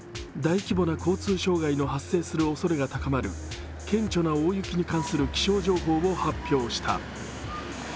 大規模な交通障害の発生するおそれが高まる顕著な大雪に関する気象情報を発表した。